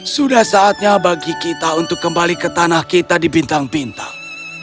sudah saatnya bagi kita untuk kembali ke tanah kita di bintang bintang